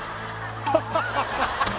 ハハハハ！